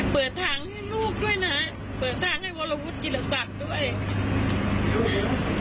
เปิดทางให้ลูกด้วยนะเปิดทางให้วรวุฒิกิรศักดิ์ด้วยลูก